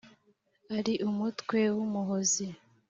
Ari umutwe w' Umuhozi